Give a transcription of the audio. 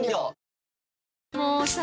もうさ